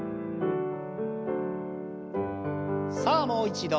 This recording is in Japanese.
さあもう一度。